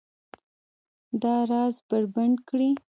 دا راز بربنډ کړي